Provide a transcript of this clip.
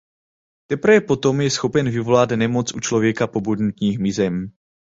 Teprve potom je schopen vyvolat nemoc u člověka po bodnutí hmyzem.